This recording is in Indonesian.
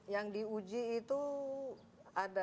yang diuji itu ada